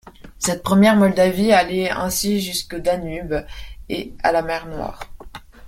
Cette première Moldavie allait ainsi jusqu’au Danube et à la mer Noire.